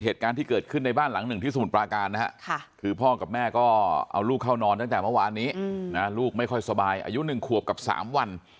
เหตุการณ์ที่เกิดขึ้นในบ้านหลังหนึ่งที่สมุทรปราการนะฮะคือพ่อกับแม่ก็เอาลูกเข้านอนตั้งแต่เมื่อวานนี้นะลูกไม่ค่อยสบายอายุ๑ขวบกับ๓วัน